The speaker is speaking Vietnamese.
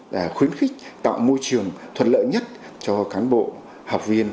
là khuyến khích tạo môi trường thuận lợi nhất cho cán bộ học viên